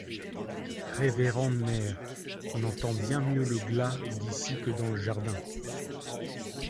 Révérende mère, on entend bien mieux le glas d'ici que dans le jardin.